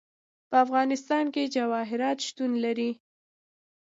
په افغانستان کې جواهرات شتون لري.